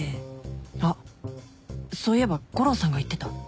あっそういえば悟郎さんが言ってた